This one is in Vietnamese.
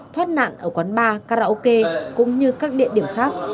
thoát nạn ở quán bar karaoke cũng như các địa điểm khác